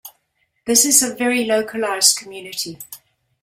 This is a very localised community.